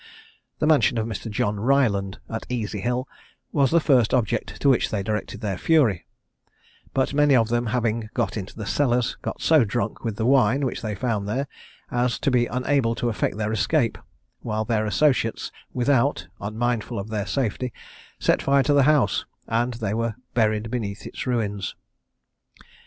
The mansion of Mr. John Ryland, at Easy Hill, was the first object to which they directed their fury, but many of them having got into the cellars, got so drunk with the wine which they found there, as to be unable to effect their escape, while their associates without, unmindful of their safety, set fire to the house, and they were buried beneath its ruins.